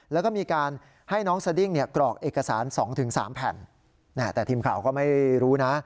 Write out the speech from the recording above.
แล้วก็มีการให้น้องสดิ้งเนี่ยกรอกเอกสาร๒๓แผ่นแต่ทีมข่าวก็ไม่รู้นะ